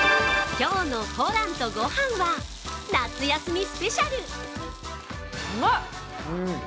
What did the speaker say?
今日の「ホランとごはん」は夏休みスペシャル。